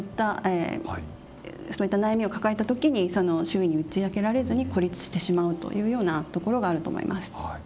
そういった悩みを抱えた時に周囲に打ち明けられずに孤立してしまうというようなところがあると思います。